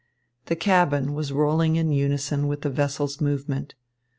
The cabin was rolling in unison with the vessel's movement.